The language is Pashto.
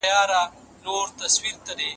په لاس لیکلنه د بریاوو د لمانځلو وسیله ده.